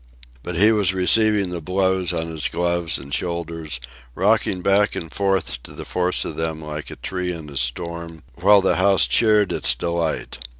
But he was receiving the blows on his gloves and shoulders, rocking back and forth to the force of them like a tree in a storm, while the house cheered its delight.